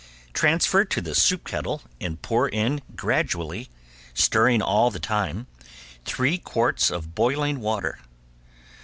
Transfer to the soup kettle and pour in gradually, stirring all the time, three quarts of boiling water.